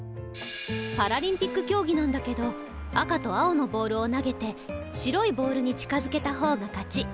パラリンピック競技なんだけど赤と青のボールを投げて白いボールに近づけた方が勝ち。